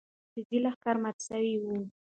انګریزي لښکر مات سوی وو.